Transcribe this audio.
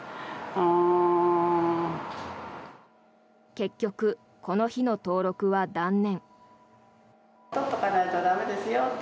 結局、この日の登録は断念。